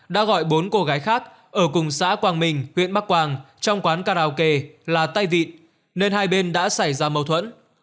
đã gọi bốn cô gái khác ở cùng xã quang minh huyện bắc quang trong quán karaoke là tay vịn nên hai bên đã xảy ra mâu thuẫn